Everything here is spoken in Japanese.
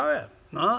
なあ？